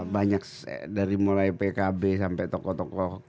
banyak dari mulai pkb sampai tokoh tokoh